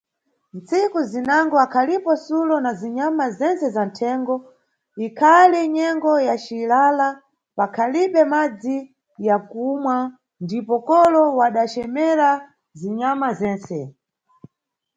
Tsiku zinango akhalipo Sulo na Zinyama Zense zanthengo, ikhali nyengo ya cilala pakhalibe madzi ya kumwa, ndipo kolo wada cemera zinyama zense.